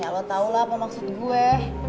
ya lo tau lah apa maksud gue